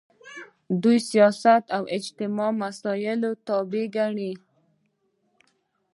دوی سیاست د اجتماعي مسایلو تابع ګڼي.